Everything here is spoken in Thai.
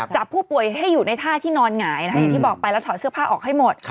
จับผู้ป่วยให้อยู่ในท่าที่นอนหงายนะคะอย่างที่บอกไปแล้วถอดเสื้อผ้าออกให้หมด